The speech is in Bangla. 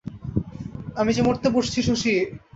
আমি যে মরতে বসেছি শশী?